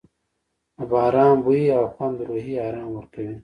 د باران بوی او خوند روحي آرام ورکوي.